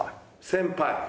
先輩。